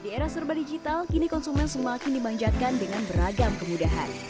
di era serba digital kini konsumen semakin dimanjatkan dengan beragam kemudahan